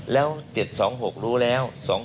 แล้ว๗๒๖รู้แล้ว